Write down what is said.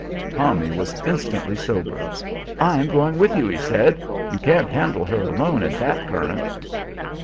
Tommy was instantly sobered. "I'm going with you," he said. "You can't handle her alone in that current."